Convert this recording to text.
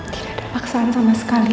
tidak paksaan sama sekali